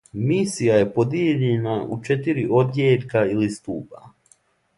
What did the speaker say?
Мисија је подијељена у четири одјељка или стуба.